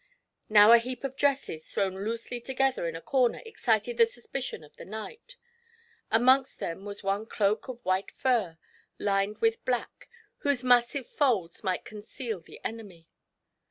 Now a heap of dresses thrown loosely together in a corner excited the suspicion of the knight. Amongst them was one cloak* of white fur, lined with black, whose massive folds might conceal the enemy.